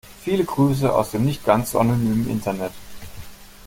Viele Grüße aus dem nicht ganz so anonymen Internet.